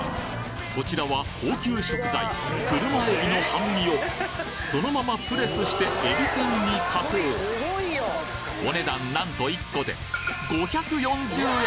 こちらは高級食材車エビの半身をそのままプレスしてえびせんに加工お値段なんと１個で５４０円。